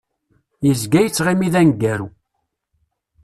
Yezga yettɣimi d aneggaru.